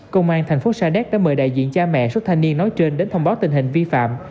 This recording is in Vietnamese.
công an thành phố sa đéc đã mời đại diện cha mẹ suốt thanh niên nói trên đến thông báo tình hình vi phạm